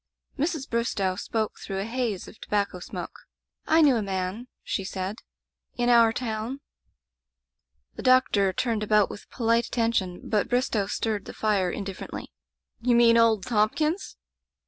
Mrs. Bristow spoke through the haze of tobacco smoke: "I knew a man," she said, "in our town '' The doctor turned about with polite at tention, but Bristow stirred the fire indiffer ently. "You mean old Thompkins?"